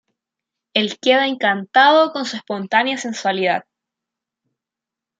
Él queda encantado con su espontánea sensualidad.